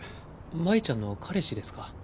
舞ちゃんの彼氏ですか。